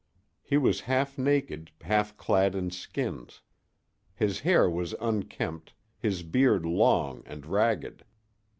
He was half naked, half clad in skins. His hair was unkempt, his beard long and ragged.